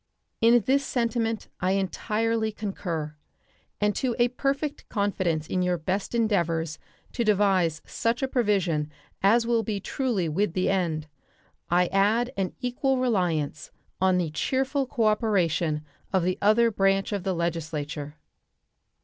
In this sentiment I entirely concur; and to a perfect confidence in your best endeavors to devise such a provision as will be truly with the end I add an equal reliance on the cheerful cooperation of the other branch of the legislature.